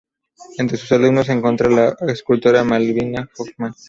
Entre sus alumnos se encuentra la escultora Malvina Hoffman.